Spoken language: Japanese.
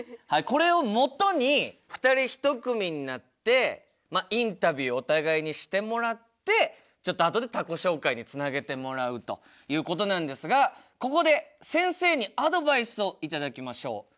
これをもとに２人一組になってインタビューお互いにしてもらってちょっとあとで他己紹介につなげてもらうということなんですがここで先生にアドバイスを頂きましょう。